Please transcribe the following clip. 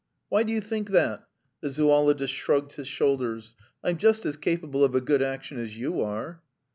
"Why do you think that?" The zoologist shrugged his shoulders. "I'm just as capable of a good action as you are."